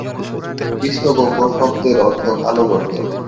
কৃষ্ণগহ্বর শব্দের অর্থ কালো গর্ত।